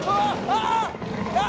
ああ！